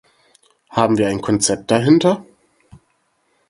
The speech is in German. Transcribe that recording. Haben wir ein Konzept dahinter?